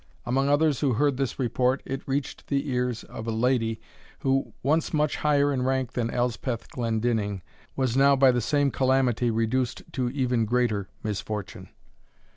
Among others who heard this report, it reached the ears of a lady, who, once much higher in rank than Elspeth Glendinning, was now by the same calamity reduced to even greater misfortune.